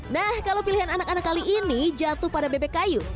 nah kalau pilihan anak anak kali ini jatuh pada bebek kayu